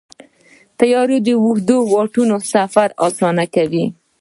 طیاره د اوږدو واټنونو سفر اسانه کوي.